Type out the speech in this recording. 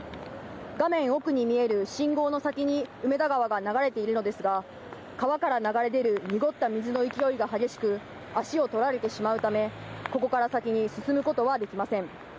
画面奥に見える信号の先に梅田川が流れているのですが、川から流れ出る濁った水の勢いが激しく足を取られてしまうため、ここから先に進むことはできません。